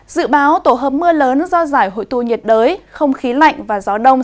dự báo tổ hợp mưa lớn do giải hội tụ nhiệt đới không khí lạnh và gió đông